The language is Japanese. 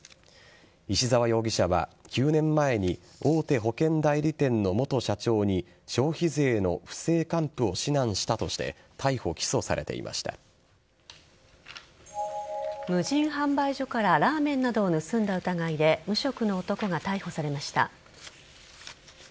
石沢容疑者は９年前に大手保険代理店の元社長に消費税の不正還付を指南したとして無人販売所からラーメンなどを盗んだ疑いで無職の男が逮捕されました。